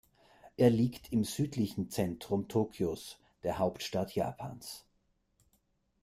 Er liegt im südlichen Zentrum Tokios, der Hauptstadt Japans.